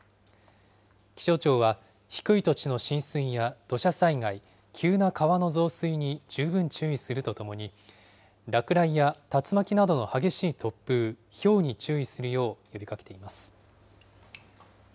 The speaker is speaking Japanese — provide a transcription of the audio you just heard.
気象庁は低い土地の浸水や土砂災害、急な川の増水に十分注意するとともに、落雷や竜巻などの激しい突風、ひょうに注意するよう呼びかけています。